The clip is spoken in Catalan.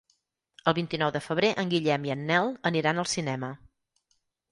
El vint-i-nou de febrer en Guillem i en Nel aniran al cinema.